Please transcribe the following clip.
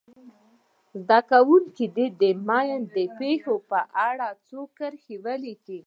زده کوونکي دې د ماین د پېښو په اړه څو کرښې ولیکي.